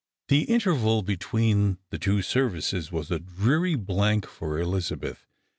The interval between the two services was a dreary blank for Elizabeth.